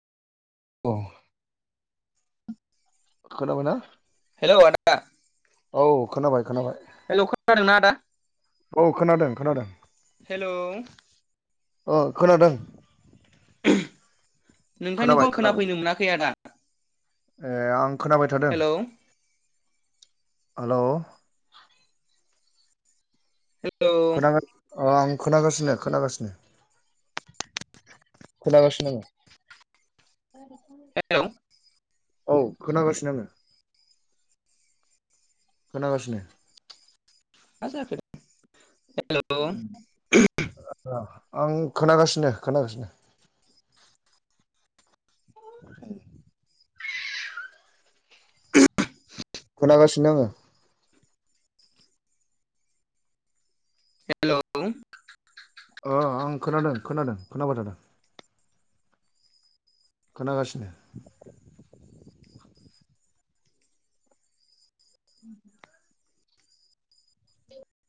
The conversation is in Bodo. अ खोनाबायना हेलौ आदा औ खोनाबाय खोनाबाय हेलौ खोनादोंना आदा औ खोनादों खोनादों। हेलौ अ खोनादों। खोनाबाय नोंथांनिखौ आं खोनाबाय खोनाफैनो मोनाखै आदा। ए आं खोनाबाय थादों हेलौ हेलौ हेलौ अ आं खोनागासिनो खोनागासिनो खोनागासिनो आं औ नोंथां औ हेलौ औ खोनागासिनो आङो खोनागासिनो मा जाखो हेलौ आं खोनागासिनो खोनागासिनो [inaudible] खोनागासिनो आङो हेलौ अ आं खोनादों खोनादों खोनाबाय थादों खोनागासिनो अम